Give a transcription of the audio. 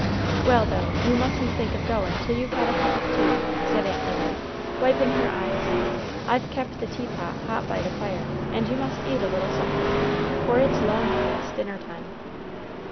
"Well, though, you mus'n't think of goin' till you've had a cup of tea," said Aunt Ruey, wiping her eyes. "I've kep' the tea pot hot by the fire, and you must eat a little somethin', for it's long past dinner time."